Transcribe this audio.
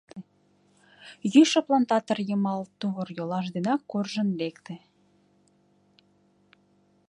Йӱшӧ плантатор йымал тувыр-йолаш денак куржын лекте.